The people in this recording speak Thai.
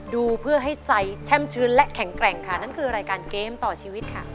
ดูเพื่อให้ใจแช่มชื้นและแข็งแกร่งค่ะนั่นคือรายการเกมต่อชีวิตค่ะ